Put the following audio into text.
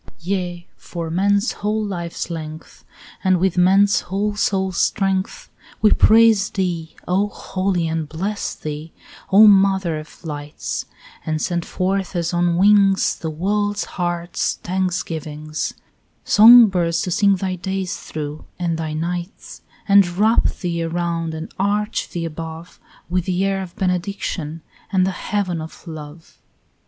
11 Yea, for man's whole life's length, And with man's whole soul's strength, We praise thee, O holy, and bless thee, O mother of lights; And send forth as on wings The world's heart's thanksgivings, Song birds to sing thy days through and thy nights; And wrap thee around and arch thee above With the air of benediction and the heaven of love.